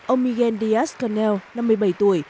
ông miguel díaz canel năm mươi bảy tuổi